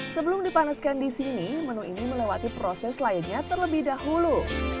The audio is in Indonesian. sebelum dipanaskan di sini menu ini melewati proses lainnya terlebih dahulu